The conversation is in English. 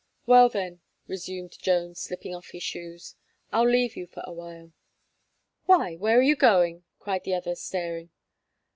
"Well then," resumed Jones, slipping off his shoes, "I'll leave you for awhile." "Why, where are you going?" cried the other staring.